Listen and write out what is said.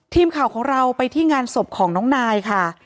ทีมข่าวของเราไปที่งานศพของน้องนายค่ะ